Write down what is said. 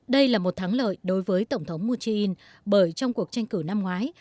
đây là một thắng lợi đối với tổng thống muchiin bởi trong cuộc tranh cử năm ngoái